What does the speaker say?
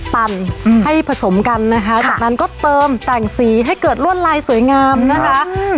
ปั่นให้ผสมกันนะคะจากนั้นก็เติมแต่งสีให้เกิดลวดลายสวยงามนะคะ